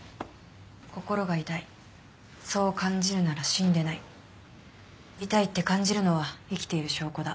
「『心が痛い』そう感じるなら死んでない」「痛いって感じるのは生きている証拠だ」